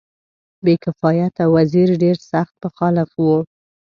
بې کفایته وزیر ډېر سخت مخالف وو.